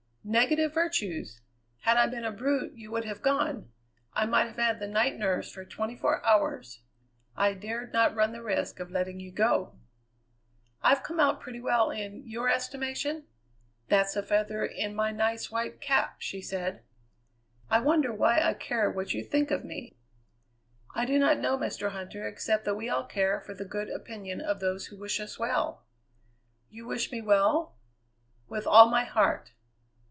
"Negative virtues! Had I been a brute you would have gone. I might have had the night nurse for twenty four hours. I dared not run the risk of letting you go." "I've come out pretty well in your estimation? That's a feather in my nice, white cap," she said. "I wonder why I care what you think of me?" "I do not know, Mr. Huntter, except that we all care for the good opinion of those who wish us well." "You wish me well?" "With all my heart."